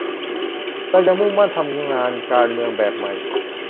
เรายังมุ่งมั่นทำงานการเมืองแบบใหม่